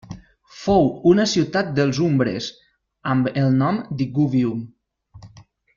Fou una ciutat dels umbres amb el nom d'Iguvium.